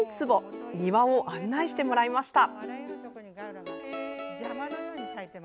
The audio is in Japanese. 庭を案内してもらいました。